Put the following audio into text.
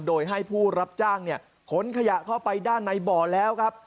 โดยให้ผู้รับจ้างขนขยะเข้าไปด้านในบ่อแล้วครับ